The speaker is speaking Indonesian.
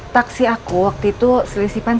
taksi aku waktu itu selisipan